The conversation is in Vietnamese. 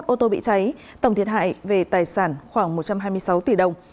tám mươi một ô tô bị cháy tổng thiệt hại về tài sản khoảng một trăm hai mươi sáu tỷ đồng